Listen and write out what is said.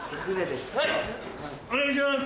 はいお願いします！